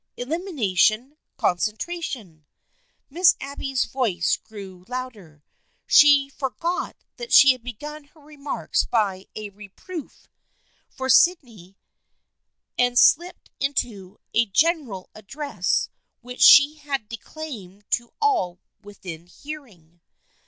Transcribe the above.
Elimination, concentration/' Miss Abby's voice had grown louder. She for got that she had begun her remarks by a reproof 300 THE FRIENDSHIP OF ANNE for Sydney and slipped into a general address which she declaimed to all within hearing.